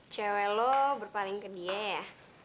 cewek lo berpaling ke dia ya